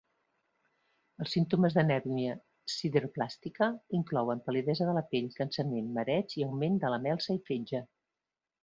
Els símptomes d'anèmia sideroblàstica inclouen pal·lidesa de la pell, cansament, mareig i augment de melsa i fetge.